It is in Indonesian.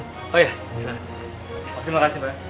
oh iya terima kasih pak